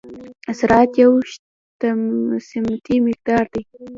سرعت یو سمتي مقدار دی.